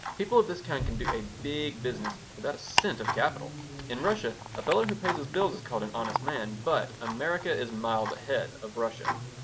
People of this kind can do a big business without a cent of capital. In Russia a fellow who pays his bills is called an honest man, but America is miles ahead of Russia.